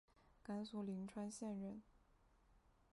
甘肃灵川县人。